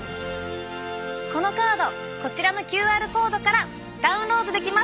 このカードこちらのＱＲコードからダウンロードできます。